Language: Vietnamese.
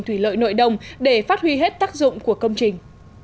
thủy lợi nội đồng để phát huy hết tác dụng của công trình